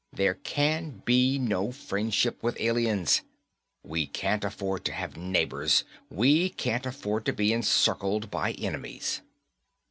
There can be no friendship with aliens. We can't afford to have neighbors; we can't afford to be encircled by enemies."